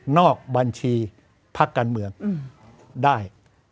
อกบัญชีพักการเมืองได้